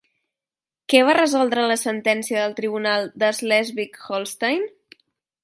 Què va resoldre la sentència del tribunal de Slesvig-Holstein?